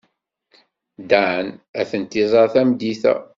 Dan ad tent-iẓer tameddit-a.